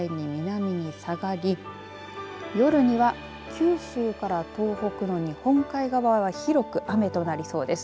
そして、雨雲が次第に南に下がり夜には九州から東北の日本海側は広く雨となりそうです。